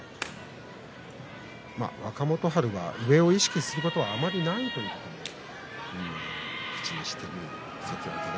若元春は上を意識することはあまりないと口にしています。